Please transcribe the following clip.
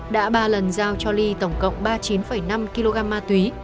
đã ba lần giao cho lee tổng cộng ba mươi chín năm kg ma tuy